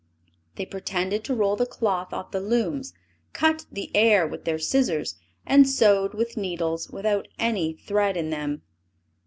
They pretended to roll the cloth off the looms; cut the air with their scissors; and sewed with needles without any thread in them.